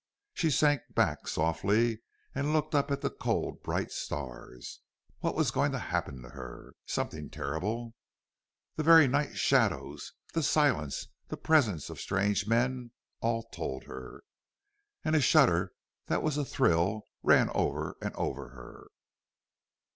She sank back softly and looked up at the cold bright stars. What was going to happen to her? Something terrible! The very night shadows, the silence, the presence of strange men, all told her. And a shudder that was a thrill ran over and over her.